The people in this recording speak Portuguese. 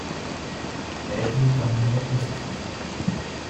Pegue o caminho da pesquisa